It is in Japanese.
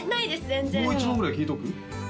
全然もう一問ぐらい聞いとく？